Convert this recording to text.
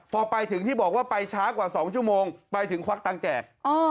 พอไปถึงที่บอกว่าไปช้ากว่า๒ชั่วโมงไปถึงควักตังค์แจก